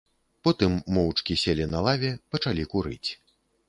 Потым моўчкі селі на лаве, пачалі курыць.